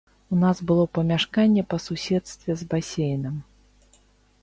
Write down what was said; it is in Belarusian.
У нас было памяшканне па суседстве з басейнам.